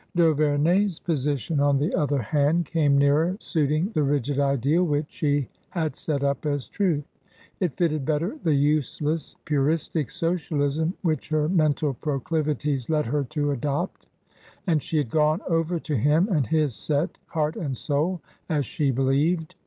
D'Auverney's position, on the other hand, came nearer suiting the rigid Ideal which she had set up as Truth ; it fitted better the useless puristic Socialism which her mental proclivities led her to adopt ; and she had gone over to him and his set heart and soul, as she believed.